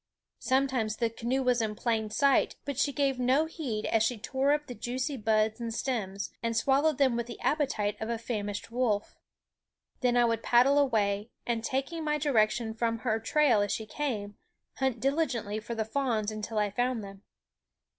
Sometimes the canoe was in plain sight; but she gave no heed as she tore up the juicy buds and stems, and swallowed them with the appetite of a famished wolf. Then I would paddle away and, taking my direction from her trail as she came, hunt dili gently for the fawns until I found them.